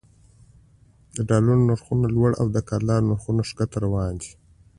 د ډالرو نرخونه لوړ او د کلدارو نرخونه ښکته روان دي